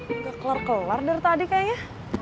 udah kelar kelar dari tadi kayaknya